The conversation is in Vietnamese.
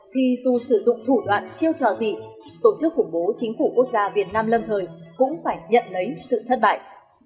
thì dù sử dụng thủ đoạn chiêu trò gì tổ chức khủng bố chính phủ quốc gia việt nam lâm thời cũng phải nhận lấy sự thất bại